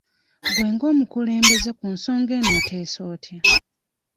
Gwe ng'omukulembeze ku nsonga eno oteesa otya?